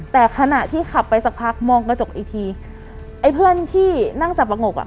แต่ขณะที่ขับไปสักพักมองกระจกอีกทีไอ้เพื่อนที่นั่งสับปะงกอ่ะ